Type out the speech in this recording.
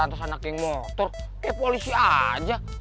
tantos anak yang motor kayak polisi aja